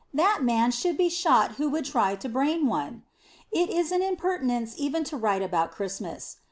That man should be shot who would try to brain one. It is an impertinence even to write about Christmas.